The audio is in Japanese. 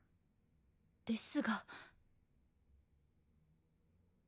ですが。